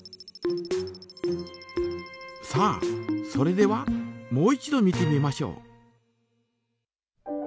さあそれではもう一度見てみましょう。